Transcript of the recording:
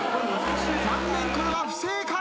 残念これは不正解。